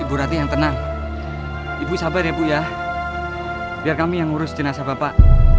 ibu ratih yang tenang ibu sabar ya bu ya biar kami yang ngurus jenazah bapak